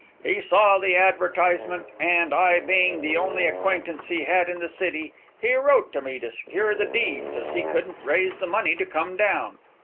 He saw the advertisement, and I being the only acquaintance he had in the city, he wrote to me to secure the deeds, as he couldn't raise the money to come down.